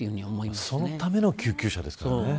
そのための救急車ですからね。